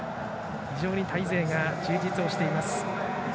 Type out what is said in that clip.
非常にタイ勢が充実をしています。